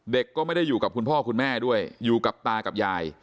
ก็ไม่ได้อยู่กับคุณพ่อคุณแม่ด้วยอยู่กับตากับยาย